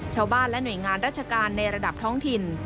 ชาวบ้านและหน่วยงานราชการในระดับท้องถิ่น